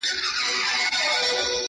• لکه نه وي پردې مځکه زېږېدلی ,